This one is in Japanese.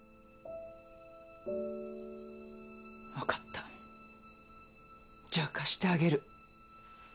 わかったじゃあ貸してあげる。